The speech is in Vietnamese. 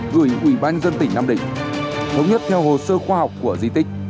gửi ủy ban dân tỉnh nam định thống nhất theo hồ sơ khoa học của di tích